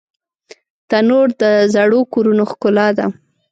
تنور د زړو کورونو ښکلا ده